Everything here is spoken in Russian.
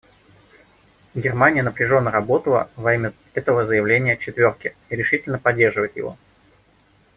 Германия напряженно работала во имя этого заявления «четверки», и решительно поддерживает его.